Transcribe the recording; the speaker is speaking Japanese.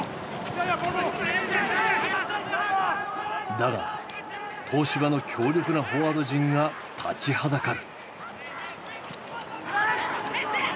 だが東芝の強力なフォワード陣が立ちはだかる。